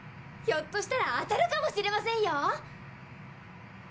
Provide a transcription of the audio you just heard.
ひょっとしたら当たるかもしれませんよ。